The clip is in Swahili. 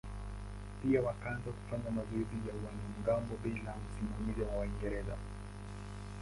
Pia wakaanza kufanya mazoezi ya wanamgambo bila usimamizi wa Waingereza.